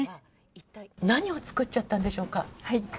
一体何を作っちゃったんでしょうか。